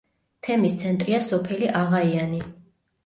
თემის ცენტრია სოფელი აღაიანი.